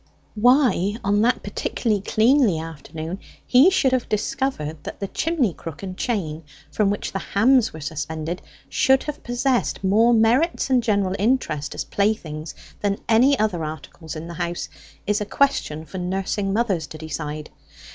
Why, on that particularly cleanly afternoon, he should have discovered that the chimney crook and chain from which the hams were suspended should have possessed more merits and general interest as playthings than any other articles in the house, is a question for nursing mothers to decide.